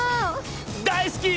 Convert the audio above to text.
大好き！